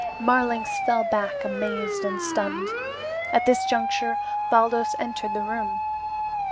Marlanx fell back amazed and stunned. At this juncture Baldos entered the room.